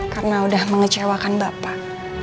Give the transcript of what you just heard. karena sudah mengecewakan bapak